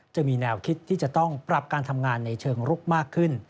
จะมีแนวคิดที่จะต้องปรับการทำงานในเชิงลุกมากขึ้น